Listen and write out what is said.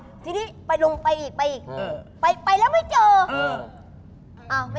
หากเราจะไปปล่อยพ่อลองเฮ้ย